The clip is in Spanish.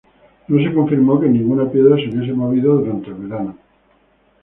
No se confirmó que ninguna piedra se hubiese movido durante el verano.